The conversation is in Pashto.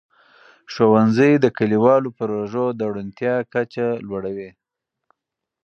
ښوونځي د کلیوالو پروژو د روڼتیا کچه لوړوي.